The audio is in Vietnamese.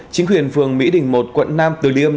chính quyền phường mỹ đình một quận nam từ liêm